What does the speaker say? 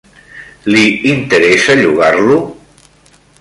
Li interessa llogar-lo?